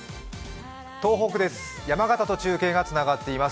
東北です、山形と中継がつながっています。